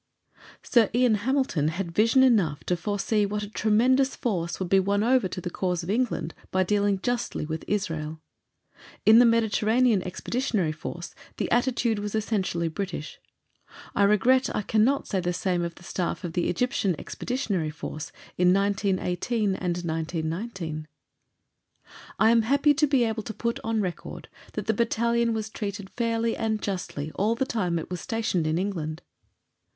Sir Ian Hamilton had vision enough to foresee what a tremendous force would be won over to the cause of England by dealing justly with Israel. In the Mediterranean Expeditionary Force the attitude was essentially British. I regret I cannot say the same of the Staff of the Egyptian Expeditionary Force in 1918 and 1919. I am happy to be able to put on record that the Battalion was treated fairly and justly all the time it was stationed in England.